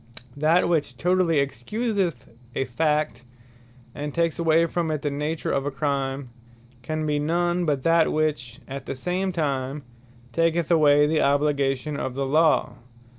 Totall Excuses That which totally Excuseth a Fact, and takes away from it the nature of a Crime, can be none but that, which at the same time, taketh away the obligation of the Law.